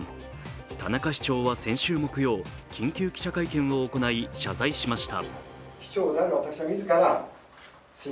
田中市長は先週木曜、緊急記者会見を行い、謝罪しました。